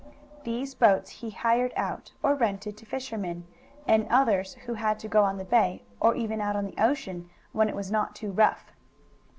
These boats he hired out, or rented, to fishermen, and others who had to go on the bay, or even out on the ocean, when it was not too rough.